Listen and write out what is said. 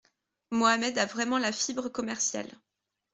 Mohamed a vraiment la fibre commerciale.